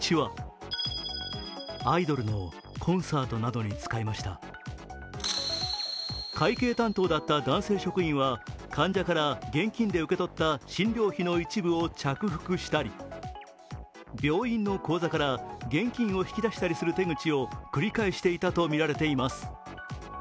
その使い道は会計担当だった男性職員は患者から現金で受け取った診療費の一部を着服したり病院の口座から現金を引き出したりする手口を繰り返していたとみられています。